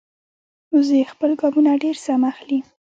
وزې خپل ګامونه ډېر سم اخلي